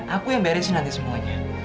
aku yang beresin nanti semuanya